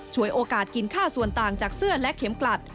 โอกาสกินค่าส่วนต่างจากเสื้อและเข็มกลัด